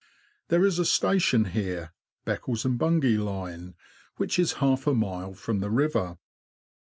There is a station here (Beccles and Bungay line), which is half a mile from the river.